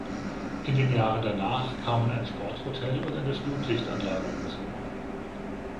In den Jahren danach kamen ein Sporthotel und eine Flutlichtanlage hinzu.